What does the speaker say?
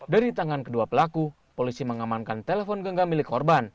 dari tangan kedua pelaku polisi mengamankan telepon genggam milik korban